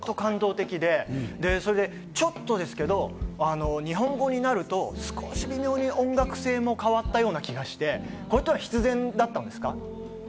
本当に感動的で、ちょっとですけど日本語になると微妙に音楽性も変わったような気がして、必然だったんですか？